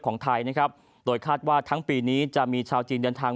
ของไทยนะครับโดยคาดว่าทั้งปีนี้จะมีชาวจีนเดินทาง